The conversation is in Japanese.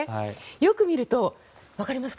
よく見ると、わかりますか？